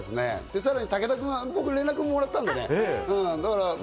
さらに武田君は僕、連絡ももらったんでね。